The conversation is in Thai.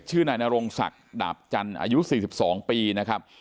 นายนรงศักดิ์ดาบจันทร์อายุ๔๒ปีนะครับ